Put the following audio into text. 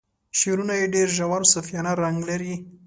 شعرونه یې ډیر ژور صوفیانه رنګ لري.